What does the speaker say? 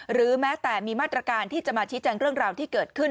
หรือแม้แต่มีมาตรการที่จะมาชี้แจงเรื่องราวที่เกิดขึ้น